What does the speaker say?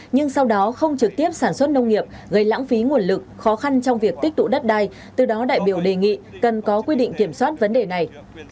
nhưng sau đó không trực tiếp sản xuất nông nghiệp gây lãng phí nguồn lực khó khăn trong việc tích tụ đất đai từ đó đại biểu đề nghị cần có quy định kiểm soát vấn đề này